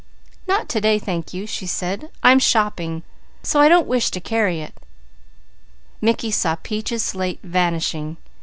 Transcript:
"Not to day, thank you," she said. "I'm shopping, so I don't wish to carry it." Mickey saw Peaches' slate vanishing.